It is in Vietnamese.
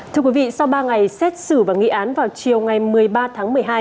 thưa quý vị sau ba ngày xét xử và nghị án vào chiều ngày một mươi ba tháng một mươi hai